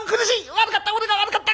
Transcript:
悪かった俺が悪かった！